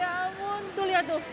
ya ampun tuh lihat tuh